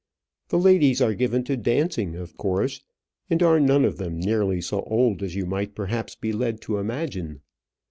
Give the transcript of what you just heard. The ladies are given to dancing, of course, and are none of them nearly so old as you might perhaps be led to imagine.